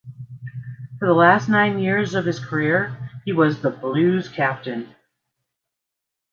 For the last nine years of his career, he was the Blues' captain.